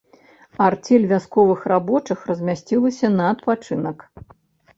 Арцель вясковых рабочых размясцілася на адпачынак.